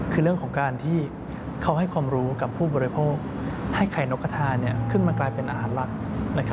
คือเรื่องของการที่เขาให้ความรู้กับผู้บริโภคให้ไข่นกกระทาขึ้นมากลายเป็นอาหารหลัก